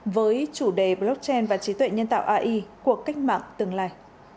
với chủ đề blockchain và trí tuệ nhân tạo ai cuộc cách mạng tương lai